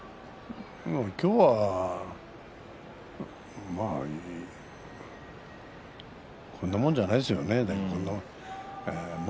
今日はこんなもんじゃないですよねでも。